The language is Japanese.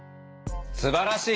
すばらしい！